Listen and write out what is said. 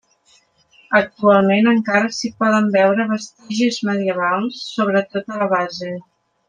Actualment encara s'hi poden veure vestigis medievals, sobretot a la base.